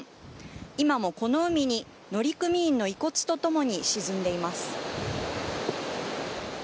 今もこの海に乗組員の遺骨とともに沈んでいます。